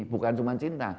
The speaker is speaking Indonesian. bukan cuma cinta